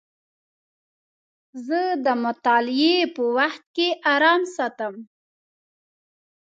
زه د مطالعې په وخت کې ارام ساتم.